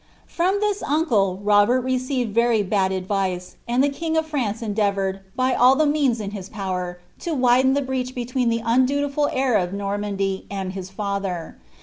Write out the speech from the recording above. From this uncle, Robert received very bad advice, and the kui^ ot France endeavoured, by all the means in bis power, to widen tbe brearii between the undutiful heir of Kormandy and his father.